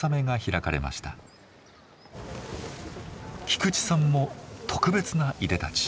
菊池さんも特別ないでたち。